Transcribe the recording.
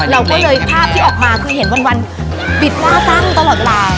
เราก็เลยภาพที่ออกมาคือเห็นวันบิดหน้าตั้งตลอดลา